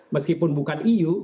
meskipun bukan eu